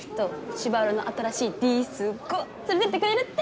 芝浦の新しいディスコ連れてってくれるって。